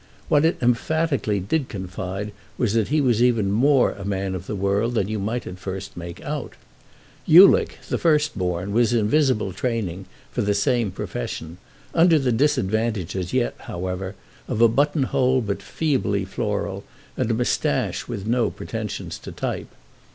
What it emphatically did confide was that he was even more a man of the world than you might first make out. Ulick, the firstborn, was in visible training for the same profession—under the disadvantage as yet, however, of a buttonhole but feebly floral and a moustache with no pretensions to type.